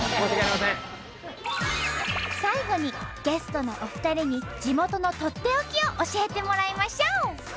最後にゲストのお二人に地元のとっておきを教えてもらいましょう！